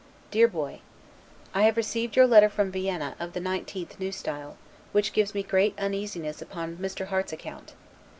DEAR BOY: I have received your letter from Vienna, of the 19th N. S., which gives me great uneasiness upon Mr. Harte's account.